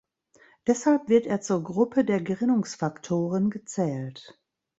Deshalb wird er zur Gruppe der Gerinnungsfaktoren gezählt.